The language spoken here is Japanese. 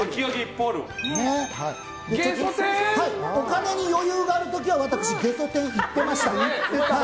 お金に余裕がある時は私、ゲソ天いってました。